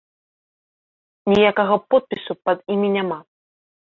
Ніякага подпісу пад імі няма.